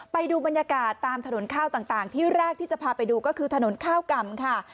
ไปดูบรรยากาศตามถนนข้าวต่างที่แรกที่จะพาไปดูก็คือถนนข้าวก่ำค่ะ